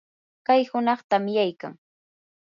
kay hunaq tamyaykan.